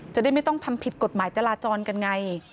จะได้ไม่ต้องทำผิดกฎหมายจราจรกันไง